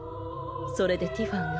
それでティファンが。